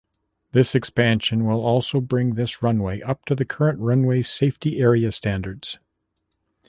This expansion will also bring this runway up to current runway safety area standards.